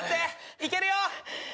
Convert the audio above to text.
いけるよ！